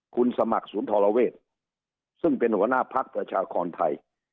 คุณสมัครศูนย์ธรเวศซึ่งเป็นหัวหน้าภักดิ์ประชากรไทย